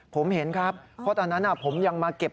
ผมเห็นครับเพราะตอนนั้นผมยังมาเก็บ